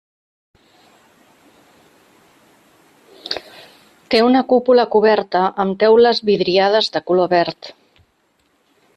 Té una cúpula coberta amb teules vidriades de color verd.